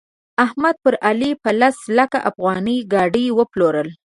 احمد پر علي په لس لکه افغانۍ ګاډي وپلوره.